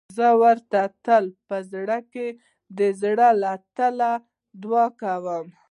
زه ورته تل په زړه کې د زړه له تله دعا کوم.